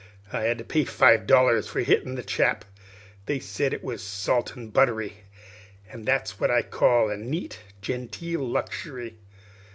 I had to pay five dollars for hittin' the chap (they said it was salt and buttery), an' that's what I call a neat, genteel luxury.